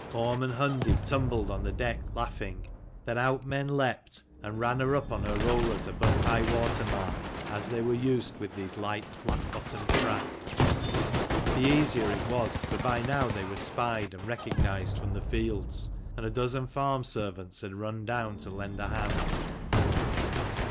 Orm and Hundi tumbled on the deck laughing. Then out men leapt, and ran her up on her rollers above high water mark, as they were used with these light flat bottomed craft. The easier it was, for by now they were spied and recognised from the fields, and a dozen farm servants had run down to lend a hand.